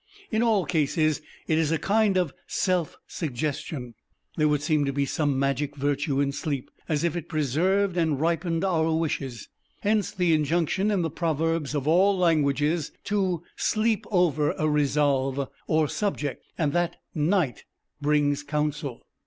In all cases it is a kind of self suggestion. There would seem to be some magic virtue in sleep, as if it preserved and ripened our wishes, hence the injunction in the proverbs of all languages to sleep over a resolve, or subject and that "night brings counsel."